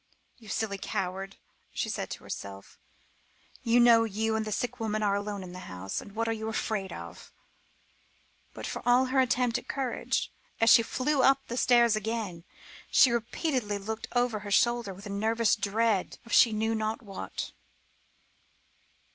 "You silly coward," she said to herself; "you know you and a sick woman are alone in the house, and what are you afraid of?" But for all her attempt at courage, as she flew up the stairs again, she repeatedly looked over her shoulder, with a nervous dread of she knew not what.